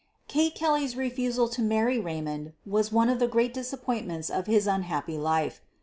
Kate Kelley's refusal to marry Raymond was one of the great disappointments of his unhappy life.